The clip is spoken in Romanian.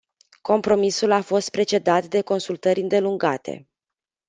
Compromisul a fost precedat de consultări îndelungate.